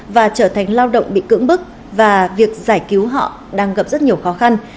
và trở thành lao động bị cưỡng bức và việc giải cứu họ đang gặp rất nhiều khó khăn